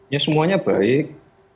ya semuanya baik